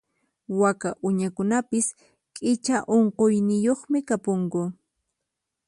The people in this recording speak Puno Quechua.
Waka uñakunapis q'icha unquyniyuqmi kapunku.